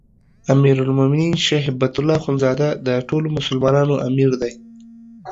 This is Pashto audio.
امیرالمؤمنین شيخ هبة الله اخوندزاده د ټولو مسلمانانو امیر دی